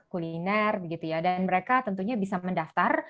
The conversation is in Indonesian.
kuliner dan mereka tentunya bisa mendaftar